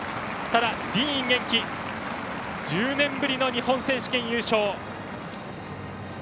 ただ、ディーン元気１０年ぶりの日本選手権優勝。